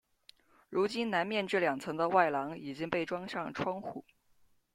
如今南面这两层的外廊已经被装上窗户。